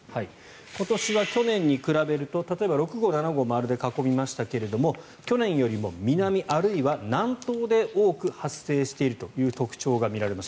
今年は去年に比べると例えば６号、７号を丸で囲みましたが去年よりも南、あるいは南東で多く発生しているという特徴が見られます。